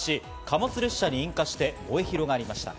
貨物列車に引火して燃え広がりました。